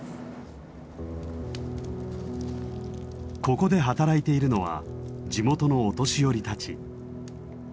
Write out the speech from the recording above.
ここで働いているのは地元のお年寄りたち。